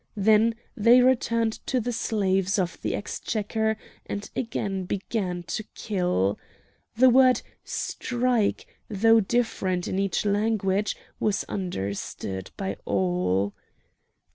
Then they returned to the slaves of the exchequer and again began to kill. The word strike, though different in each language, was understood by all.